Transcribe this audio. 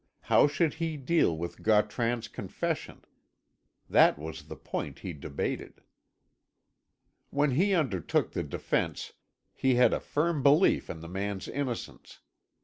How should he deal with Gautran's confession? That was the point he debated. When he undertook the defence he had a firm belief in the man's innocence.